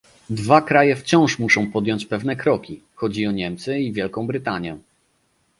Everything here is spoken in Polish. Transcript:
Dwa kraje wciąż muszą podjąć pewne kroki, chodzi o Niemcy i Wielką Brytanię